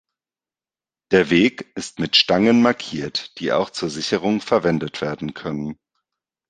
Der Weg ist mit Stangen markiert, die auch zur Sicherung verwendet werden können.